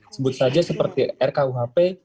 sebut saja seperti rkuhp